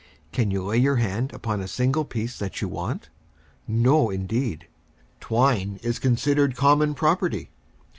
Can you lay your hand upon a single piece that you want? No, indeed! Twine is considered common property.